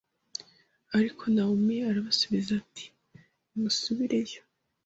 Ariko Nawomi arabasubiza ati ‘nimusubireyo